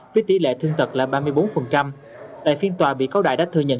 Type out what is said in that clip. với tỷ lệ thương tật là ba mươi bốn tại phiên tòa bị cáo đại đã thừa nhận